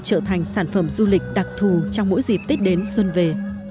trở thành sản phẩm du lịch đặc thù trong mỗi dịp tết đến xuân về